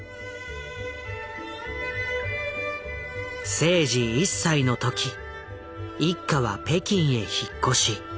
征爾１歳の時一家は北京へ引っ越し。